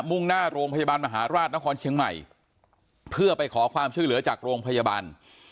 ่งหน้าโรงพยาบาลมหาราชนครเชียงใหม่เพื่อไปขอความช่วยเหลือจากโรงพยาบาล